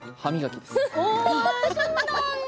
そうなんだ。